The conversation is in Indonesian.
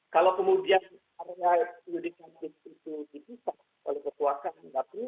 kalau kemudian area juridika itu dipisah oleh ketua kasar batu